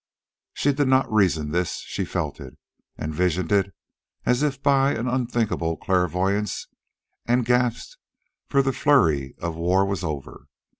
She did not reason this. She felt it, and visioned it as by an unthinkable clairvoyance, and gasped, for the flurry of war was over.